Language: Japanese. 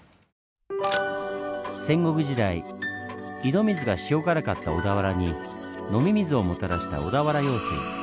戦国時代井戸水が塩辛かった小田原に飲み水をもたらした小田原用水。